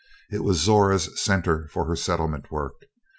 It was Zora's centre for her settlement work.